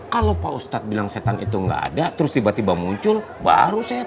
kalau pak ustadz bilang setan itu nggak ada terus tiba tiba muncul baru setan